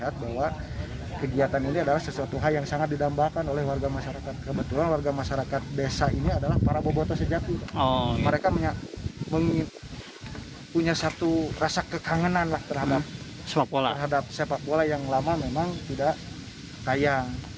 punya satu rasa kekangenan lah terhadap sepak bola yang lama memang tidak kaya